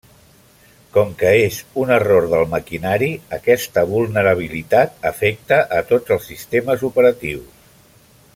Com que és un error del maquinari, aquesta vulnerabilitat afecta a tots els sistemes operatius.